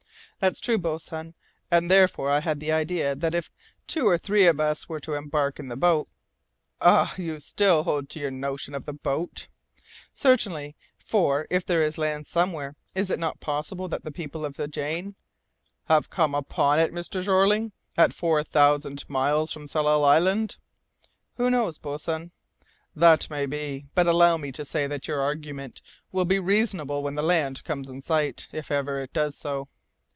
"That's true, boatswain. And therefore I had the idea that if two or three of us were to embark in the boat " "Ah! you still hold to your notion of the boat " "Certainly, for, if there is land somewhere, is it not possible that the people of the Jane " "Have come upon it, Mr. Jeorling at four thousand miles from Tsalal Island." "Who knows, boatswain?" "That may be, but allow me to say that your argument will be reasonable when the land comes in sight, if it ever does so.